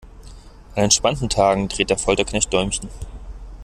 An entspannten Tagen dreht der Folterknecht Däumchen.